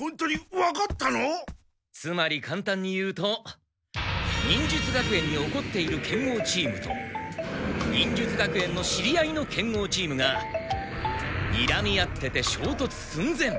つまりかんたんに言うと忍術学園におこっている剣豪チームと忍術学園の知り合いの剣豪チームがにらみ合っててしょうとつすん前。